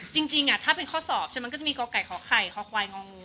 จริงถ้าเป็นข้อสอบอย่างง่วง่างู